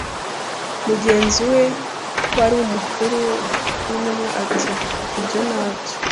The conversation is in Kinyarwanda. Mugenzi we wari umukuru w'intumwa ati ibyo nabyo,